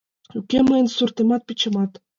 Уке мыйын суртемат, печемат.